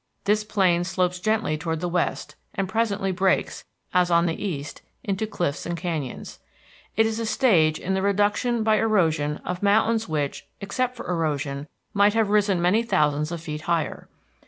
This plain slopes gently toward the west, and presently breaks, as on the east, into cliffs and canyons. It is a stage in the reduction by erosion of mountains which, except for erosion, might have risen many thousands of feet higher.